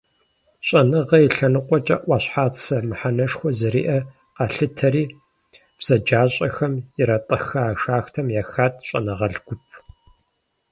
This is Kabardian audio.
ЩӀэныгъэ и лъэныкъуэкӀэ Ӏуащхьацэ мыхьэнэшхуэ зэриӀэр къалъытэри, бзаджащӀэхэм иратӀыха шахтэм ехат щӀэныгъэлӀ гуп.